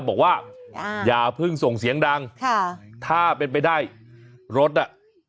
บอกว่าอย่าเพิ่งส่งเสียงดังค่ะถ้าเป็นไปได้รถอ่ะ